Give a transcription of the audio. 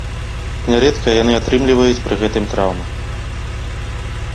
Нярэдка яны атрымліваюць пры гэтым траўмы.